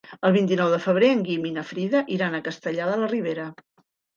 El vint-i-nou de febrer en Guim i na Frida iran a Castellar de la Ribera.